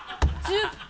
１０分。